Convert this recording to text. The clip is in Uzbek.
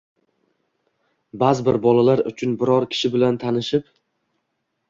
Baʼzi bir bolalar uchun biror kishi bilan tanishib